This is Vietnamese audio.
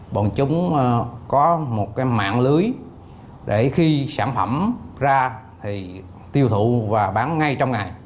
bọn chúng có một cái mạng lưới để khi sản phẩm ra thì tiêu thụ và bán ngay trong ngày